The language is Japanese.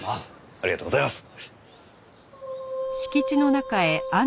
ありがとうございます。